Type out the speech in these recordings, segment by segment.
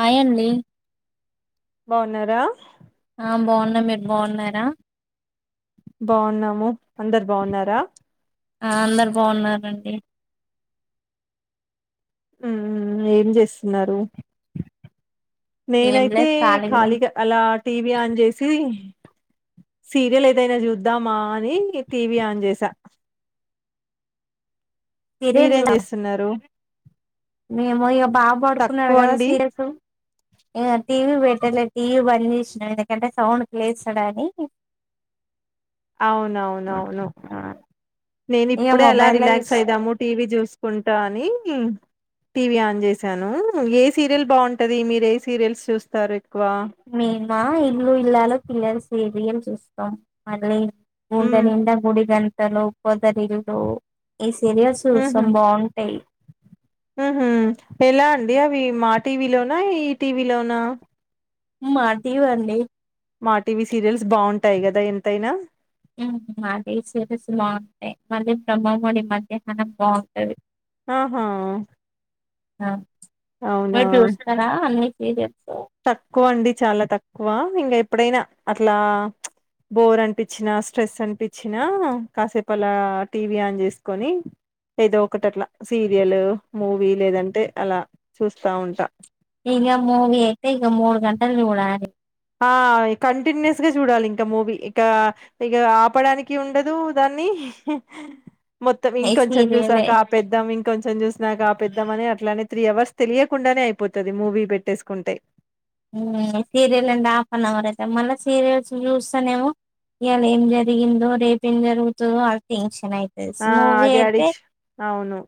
Hi అండి బావున్నారా ఆ బావున్నా మీరు బావున్నారా బాగున్నాము అందరు బాగున్నారా ఆ అందరు బాగున్నండి మ్మ్ ఏం చేస్తున్నారు ఏం నేనైతే లేదు ఖాళీగా అలా టీవీ ఆన్ చేసి సీరియల్ ఏదైనా చూద్దామా అని టీవీ ఆన్ చేసా సీరియల్ చూ మీరేం చేస్తున్నారు మేము ఇక బాగా పడుకున్నాడు తక్కువ కదా అండి సీరియస్ టీవీ పెట్టలే టీవీ బంద్ చేసినాం ఎందుకంటే సౌండ్ కి లేస్తడాని అవునవునవును నేను ఇక ఇప్పుడే అలా మొబైల్లో రిలాక్స్ చూస్తాం అయిదాము టీవీ చూసుకుంటా అని టీవీ ఆన్ చేశాను ఏ సీరియల్ బాగుంటది మీరు ఏ సీరియల్స్ చూస్తారు ఎక్కువ మా ఇల్లు ఇల్లాలు పిల్లలా సీరియల్ చూస్తాం మళ్ళీ గుండా ఉమ్ నింద గుడి గంన్ పొదరిల్లు ఈ సీరియల్స్ ఉహు చూస్తాం బాగుంటాయి ఉహు ఎలా అండి అవి మా టీవలోనా ఈ టీవీ లోనా మా తీవ్వండి మా టీవీ సీరియల్స్ బాగుంటాయి కదా ఎంతైనా మా టీవీ సీరియల్స్ బాగుంటాయి మళ్ళీ బ్రహ్మమడి మధ్యాహ్నం బాగుంటది ఆహా ఆ అవునా చూస్తారా అన్ని ఏదిస్త తక్కువ అండి చాలా తక్కువ ఇంకా ఎప్పుడైనా అట్లా బోర్ అనిపించిన స్ట్రెస్ అనిపించినా కాసేపు అలా టీవీ ఆన్ చేసుకొని ఏదో ఒకటి అట్లా సీరియల్ మూవీ లేదంటే అలా చూస్తా ఉంటా ఇకా మూవీ అయితే ఇక మూడు గంటలు చూడాలి ఆ కంటిన్యూస్గా చూడాలి ఇంకా మూవీ ఇంక ఇక ఆపడానికి ఉండదు దాన్ని మొత్తం ఈ ఇంకొంచెం సీరియలే. చూసాక ఆ పెద్దం ఇంకొంచెం చూసాక ఆ పెద్ద అని అట్లానే త్రీ అవర్స్ తెలియకుండానే అయిపోతది మూవీ పెట్టేసుకుంటే serial and half an hour అయితే మళ్ళీ సీరియల్స్ చూస్తానేమో ఇవాళ ఏం జరిగిందో రేపు ఏం జరుగుతుందో ఆ టెన్ ఆ అదే అడిక్షన్ అవును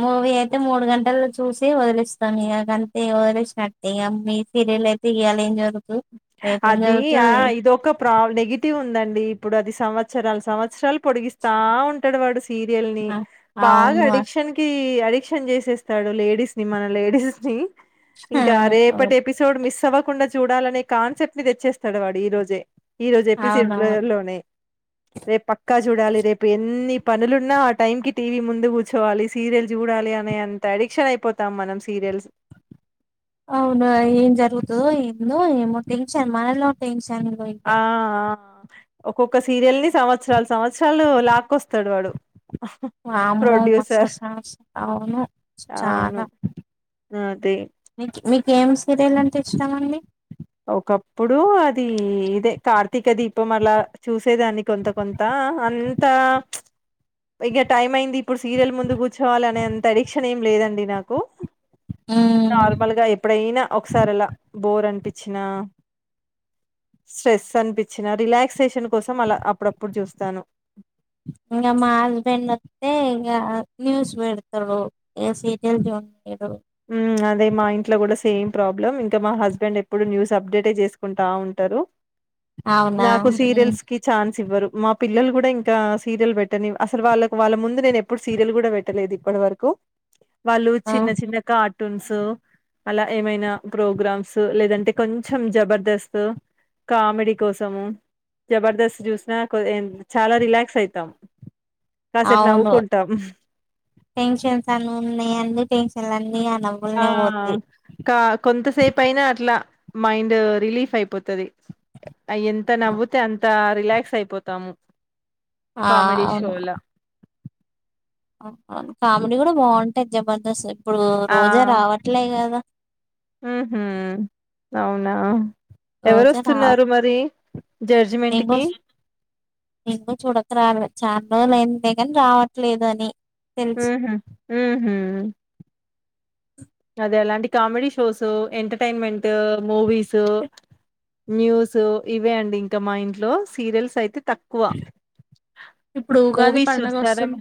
మూవీ అయితే మూడు గంటలు చూసి వదిలేస్తాము ఇక కంతే వదిలేసినట్టటు ఇక మీ అయితే ఈయల ఏం జరుగుత అది ఆ ఇదొక ప్రా నెగిటివ్ ఉందండి ఇప్పుడు అది సంవత్సర సంవత్సరాల సంవత్సరాలు పొడిగిస్తా ఉంటాడు వాడు సీరియల్ ని ఆ! బాగా అవును. అడిక్షన్ కి అడిక్షన్ చేసేస్తాడు లేడీస్ ని మన లేడీస్ ని ఇంకా ఆ! రేపటి ఎపిసోడ్ మిస్ చదవకుండా చూడాలనే కాన్సెప్ట్ ని తెచ్చేస్తాడు వాడు ఈ రోజే ఈ రోజు ఎపిసిడ్ ల అవునవును లోనే రేపు పక్కా చూడాలి రేపు ఎన్ని పనులున్నా ఆ టైంకి టీవీ ముందు కూర్చోవాలి సీరియల్ చూడాలి అనే అంత అడిక్షన్ అయిపోతాం మనం సీరియల్స్ అవున ఏం జరుగుతాదో ఏందో ఏమో టెన్షన్ మనలో టెన్షన్ ఇగ ఆ ఆ ఒక్కొక్క సీరియల్ ని సంవత్సరాలు సంవత్సరాలు లాక్కొస్తాడు వాడు వామ్మో ప్రొడ్యూసర్ మససస్త [unintelligible] వును అవును చాలా అదే మీకు ఏం సీరియల్ అంటే ఇష్టమండి ఒకప్పుడు అది ఇదే కార్తీక దీపం అలా చూసి చూసేదాన్ని కొంత కొంత అన్ అంత ఇంకా టైం అయింది ఇప్పుడు సీరియల్ ముందు కూర్చోవాలి అనేంత అడిక్షన్ ఏం లేదండి నాకు మ్మ్ నార్మల్గా ఎప్పుడయినా ఒకసారి అలా బోర్ అంటే స్ట్రెస్ అనిపించిన రిలాక్సేషన్ కోసం అలా అప్పుడప్పుడు చూస్తాను ఇకా మా హస్బెండ్ వత్తే ఇంకా న్యూస్ పెడతారుఇగ సీరియల్స్ చూడను ఉ అదే మా ఇంట్లో కూడా సేమ్ ప్రాబ్లం ఇంకా మా హస్బెండ్ ఎప్పుడు న్యూస్ అప్డేట్ చేసుకుంటా ఉంటారు అవునా నాకు మ్మ్ సీరియల్స్ కి ఛాన్స్ ఇవ్వరు మా పిల్లలు కూడా ఇంకా సీరియల్ పెట్టనివ్ అసలు వాళ్ళ వాళ్ళ ముందు నేను ఎప్పుడు సీరియల్ కూడా పెట్టలేదు ఇప్పటి వరకు వాళ్ళు ఆ చిన్న చిన్న కార్టూన్స్ అలా ఏమైనా ప్రోగ్రామ్స్ లేదంటే కొంచెం జబర్దస్త్ కామెడీ కోసము జబర్దస్త్ చూసినా చాలా రిలాక్స్ అయితాం కాసేపు అవును నవ్వుకుంటాం టెన్షన్స్ అన్ని ఉన్న టెన్షన్ లు అన్ని అన ఆ కా కొంతసేపు అయినా అట్లా మైండ్ రిలీఫ్ అయిపోతాది అ ఎంత నవ్వుతే అంత రిలాక్స్ అయిపోతాము ఆ కామెడీ అవును షోలా కామెడీ కూడా బాగుంటాది జబర్దస్త్ ఇప్పుడు రోజా ఆ రావట్లే కదా ఉహూ అవునా రోజా రాల ఎవరొస్తున్నారు మరి జడ్జిమెంట్ నింగా కి? నింగి చూడక రావాల చాడక రాలే [unintelligible] ఎవరో అంటే కాని రావట్లేదు అని తెలుసు హ అదే అలాంటి comedy shows entertainment movies news ఇవే అండి ఇంకా మా ఇంట్లో సీరియల్స్ అయితే తక్కువ ఇప్పుడు ఉగాది మూవీస్ పండగ చూస్తారా? మ వస్తుంది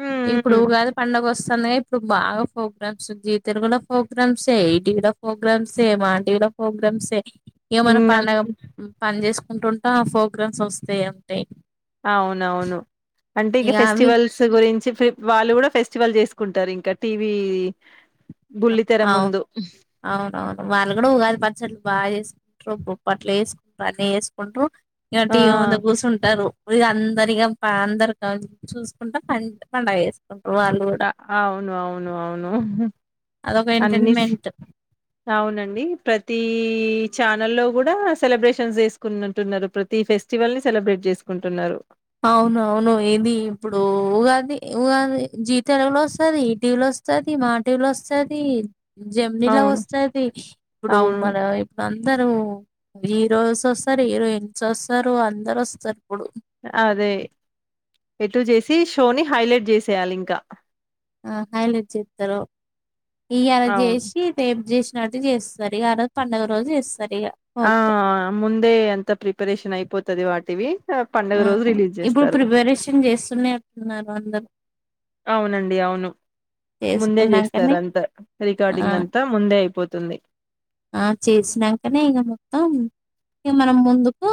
హ్మ్. ఇప్పుడు హ్మ్. ఉగాది పండగ వస్తుందిగా ఇప్పుడు బాగా ప్రోగ్రామ్స్ ఉ జ తెలుగుల ప్రోగ్రామ్స్రే ఇటీవల ప్రోగ్రామ్స్రే మాంటివిల ప్రోగ్రామ్సే ఏమన్నా హ్మ్. అన్ పండగ పని చేసు అంటుంటా ఆ ప్రోగ్రామ్స్ వస్తాయి అంటాయి అవునవును అంటే ఇంక అవి ఫెస్టివల్స్ గురించి వాళ్ళు కూడా ఫెస్టివల్ చేసుకు కుంటారు ఇంకా టీవీ బుల్లితెర అవు ముందు. అవునవును వాళ్ళు కూడా ఉగాది పచ్చట్లు బాగా చేసుకుంటారు బుప్ప అట్లు వేసుకుంట బనే వేస్కుంటూ ఆ! ఇటి ముందు కూర్చుంటారు అందరిక అందరి చూసుకుంటా ప పండగ వేసుకుంట అవును అవును అవును అదొక అన్ని ఎంటర్టైన్మెంట్ అవునండి ప్రతి ఈ ఛానల్ లో కూడా సెలబ్రేషన్ చేసుకుంటున్నారు ప్రతి ఫెస్టివల్ ని సెలబ్రేట్ చేసుకుంటున్నారు అవునవును ఏది ఇప్పుడు ఉగాది ఉగాది జీతాలలో వస్తుది ఇటీవల వస్తది మాటీల వస్తది జమినీలా అవును. వస్తుాది ఇప్పుడు అవును. మన ఇప్పుడు అందరు హీరోయస్ వస్తారు హీరోయిన్స్ వస్తారు అందరు వస్తారు ఇప్పుడు అదే ఎటు చేసి షోని హైలైట్ చేసేయాలి ఇంకా ఆ హైలట్ చెప్తారు ఇ అలా అవును. చేసి రేపు చేసి చేస్తారు ఈ ఆ రోజు పడుగ రోజు చేస్తారు ఇగ ఆ పోగ్రాం ముందే అంత ప్రిపరేషన్ అయిపోతే వది వాటివి ఆహ్, పండుగ ఆ రోజు రిలీజ్ ఇప్పుడు జేస్తారు. ప్రిపరేషన్ చేస్తూనే ఉంటున్నారు అందరు అవునండి అవును ముందే చేసుకున్నాకనే జేస్తారంతా. ఆ రికార్డింగ్ అంతా ముందే అయిపోతుంది. ఆ చేసినాకనే ఇక మొత్తం ఇ మనం ముందుకు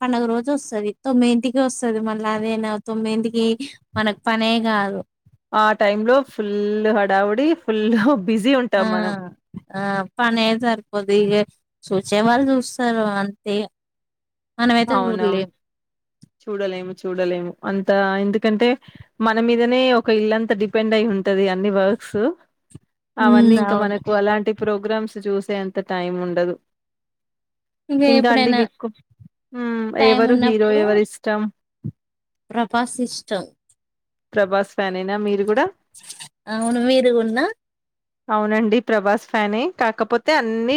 పడుగ రోజు వస్తుది తొమ్మిది ఇంటికి వస్తుది మళ్ళీ అదేనా తొమ్మిది ఇంటికి మనకు పనే కాదు ఆ టైమ్ లో ఫుల్ హడావుడి ఫుల్ ఆ ఆ పన ఏదార్పోదు ఇక చూచే వాళ్రారుు చూస్తారు అంతే మనమైతే అవునవు చూడలేం చూడలేము చూడలేము అంత ఎందుకంటే మన మీదనే ఒక ఇల్లంతా డిపెండ్ అయి ఉంట్ ఉంటది అన్ని వర్క్స్ అవన్నీ ఉమ్ ఇంకా అవును మనకు అలాంటి ప్రోగ్రామ్స్ చూసే ఎంత టైమ్ ఉండదు. ఇగ ఇంకా అండీ ఎప్పుడైనా మీక్కు మ్ టైం ఎవరు హీరో ఎవరి ఇష్టం. ప్రభాసిష్టం ప్రభాస్ ఫ్యానేనా మీరు కూడా అవును మీరుగున్నా అవునండి. ప్రభాస్ ఫ్యానే కాకపోతే అన్నీ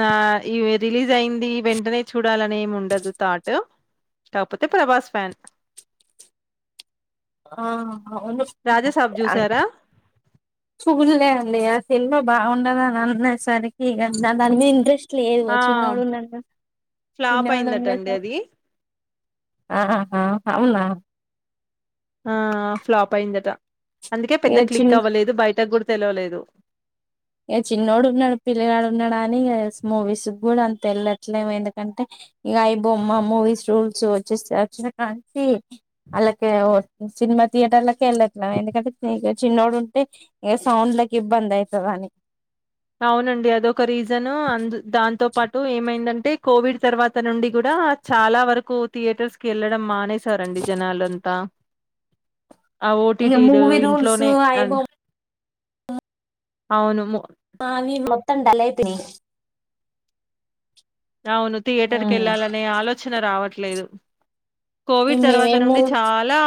నా ఈ రిలీజ్ అయింది వెంటనే చూడాలని ఏమి ఉండదు థాట్ కాకపోతే ప్రభాస్ ఫ్యాన్ ఆ రాజాసాబ్ చూసారా చూళ్ళే అండి ఆ సినిమా బాగుండది అని అన్నే సరికి ఇగ ద దాని మీద ఇంట్రెస్ట్ లేదు ఆ చిన్నోడు ఉన్నడుగ. ఫ్లాప్ చిన్నాడు అయిందట ఉన్నాడు అండి సార్ అది ఆహా అవునా ఆ ఫ్లాప్ అయిందట అందుకే ఇగ పెద్ద చిన్ క్లిక్ అవ్వలేదు బయట గుడ తెలవలేదు. ఏ చిన్నోడు ఉన్నడు. పిల్లగాడు ఉన్నాడు అని మూవీస్ గుడా అంత ఎళ్ళట్లేము ఎందుకంటే ఇగ ఐ బొమ్మ మూవీస్ రూల్స్ వ వచ్చేస్త వచ్చిన కాంతి అళ్ళకే ఓ సినిమా థియేటర్ లకే వెళ్ళట్ల. ఎందుకంటే చిన్నోడు ఉంటే ఇక సౌండ్ లకి ఇబ్బంది అయితది అని అవునండి అదొక రీజను అందు దాంతో పాటు ఏమైందంటే కోవిడ్ తర్వాత నుండి కూడా చాలా వరకు థియేటర్స్ కి వెళ్ళడం మానేసారండి జనాలుంతా ఆ ఇగ ఓటీటీలు మూవీ రూల్స్ ఇంట్లోనే అయి అ బొమ్మ అవును మ్ ఆ వి మొత్తం డల్ అయిపోయినయి. అవును థియేటర్ కు ఏళ్లాలనే ఆలోచన రావట్లే లేదు. కోవిడ్ తర్వాత మేమేమో నుండి చాలా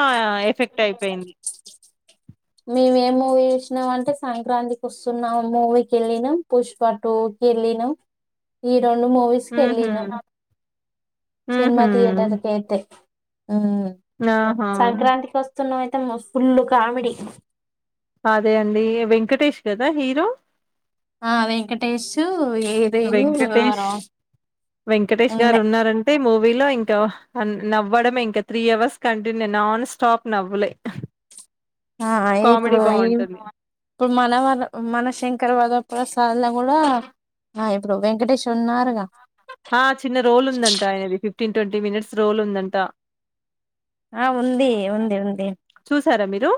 ఎఫెక్ట్ ట్ అయిపేయింది. మేము ఏ మూవీ చూసినాం అంటే సంక్రాంతికి వస్తున్నాం మూవీకి వెళ్ళినాం. పుష్పటుకి వెళ్ళినాం ఈ రెండు మూవీస్ ఉహు కెళ్ళీనం. సినిమా ఉహు థియేటర్కెయితే ఉమ్ ఆహా సంక్రాంతికి వస్తున్నాం ఐ త్తము ఫుల్ కామెడి అదే అండి వెంకటేష్ కదా హీరో ఆ వెంకటేేషు వెంకటేష్ వెంకటేష్ గారు ఉండే ఉన్నారంటే మూ విలో ఇంకా నవ్వడమే ఇంకా three hours continue non stop నవ్వులే అ కామెడీ ఇప్పుడు వావ్! ఇప్ బావుంటుంది. పు మనవర మన శంకరవరప్రస్ దంల్ల గూడ ఆ ఇప్పుడు వెంకటేష్ ఉన్నారుగా ఆ చిన్న రోల్ ఉందంట ఆయనది ఫిఫ్టీన్ ట్వంటీ మినిట్స్ రోల్ ఉందంట ఆ ఉంది ఉంది ఉంది సర మీరు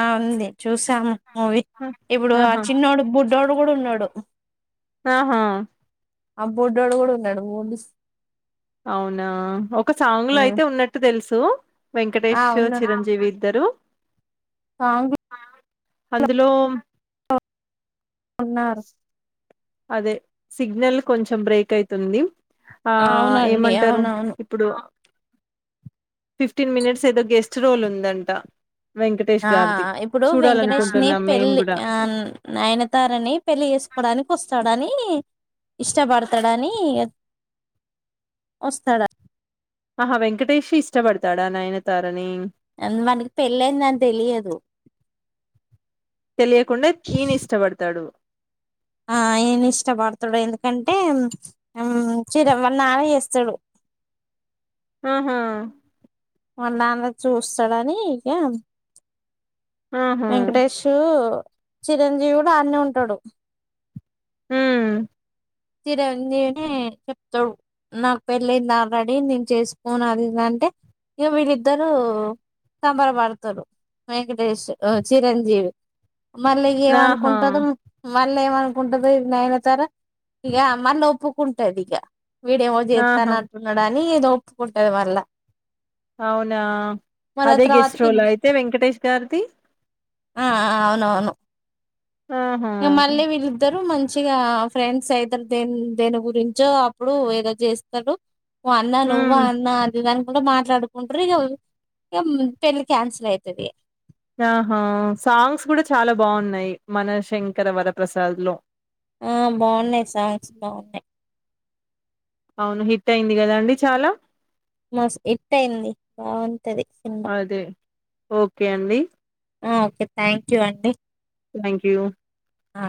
ఆ ఉంది చూసాము మూవీ ఆ! ఇప్పుడు ఆ ఆహా! చిన్నోడు బు డోడు గుడ్ ఉన్నడు ఆహా ఆ బొడ్డోడు కూడా ఉన్నాడు మూవీస్ అవునా ఒక సాంగ్ లో అయితే ఉన్నట్టు తెలుసు వెంకటేష్ చిరంజీవి ఇద్దరు కాంగ్ల్ అందులో ఉన్నారు అదే సిగ్నల్ కొంచెం బ్రేక్ అయితుంది ఆ అవునండి ఏమంటారు అవునవును ఇప్పుడు ఫిఫ్టీన్ మినిట్స్ అయితే గెస్ చ్రోలు ఉందంట వెంకటేష్ ఆ గారిది ఇప్పుడు వెంకటేష్ ని చూడాలనుకుంటున్నాం మేము పెళ్లి కూడా ఆ నయనతారని పెళ్ళి చేసుకోవడానికి వస్తాడని యి ఇష్టపడతాడని ఒస్తాడ్ ఆహా వెంకటేష్ ఇష్టపడతాడా నయనతారని ఆన్ వన్క్ పెళ్ళైందిని తెలియదు తెలియకుండ ఇన్ ఇష్టపడతాడు ఆ అయిన్ ఇష్టపడతాడు ఎందుకంటే చిర వనాలి చేస్తాడు ఆహా మనాన్న చూస్తాడని ఇయ ఆహా వెంకటేషు చిరంజీవుడ అన్నే ఉంటాడు ఉమ్ చిరంజీవిని చెప్తాడు నాక్ పెళ్లైంద్ ఆల్రెడీ నేను చేసుకోను అదింటే ఇ వీళ్ళిద్దరు. సంబరపడతారు వెంకటేేశ్ ఉ చిరంజీవి. మళ్ళీగ్ ఎం ఆహా అన్కుంటరు మళ్ళ ఏమనుకుంటది ఇది నైనతర ఇగ అమ్మాన్ ఒప్పుకుంటది ఇక వీడేమో ఆహా చేస్తాను అంటున్నాడా ఏదో ఒప్పుకుంటది వర్లే అవునా మళ్ళ అదే గెస్ట్ తర్వాతకి రోలో అయితే వెంకటేష్ గారిది ఆ అవును అవును ఆహా న అల్రే విలుద్దరు మంచి మంచిగా ఫ్రెండ్స్ అయితారు దే దేని గురించో అప్పుడు ఏదో చేస్తారు ఓ అన్న నువ్వు ఉమ్ అన్న అదిదానికి మాట్లాడుకుంటారు ఇక ఇ పెళ్లి క్యాన్సిల్ అవుతుది ఆహా సాంగ్స్ కూడా చాలా బాగున్నాయి మన శంకర వరప్రసాద్ లో ఆ బాగున్నాయి సాంగ్స్ బాగున్నాయి్ అవును హిట్ అయింది కదండి చాలా మస్త్ హిట్ అయింది బాగుంటది సినిమా అదే ఓకే అండి ఓకే థ్యాంక్ యూ అండి థ్యాంక్ యూ ఆ